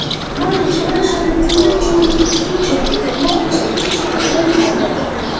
მოდი ჩემთან შენი გრძელი ქუჩით მოდი ჩემთან შენი გრძელი გზით